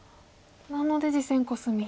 なので実戦コスミ。